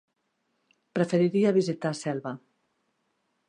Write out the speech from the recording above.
Preferiria visitar Selva.